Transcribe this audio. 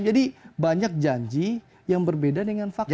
jadi banyak janji yang berbeda dengan faktanya